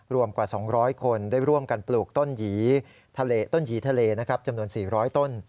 รวมกว่า๒๐๐คนได้ร่วมกันปลูกต้นหยีทะเลจำนวน๔๐๐ต้น